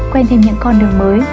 quen thêm những con đường mới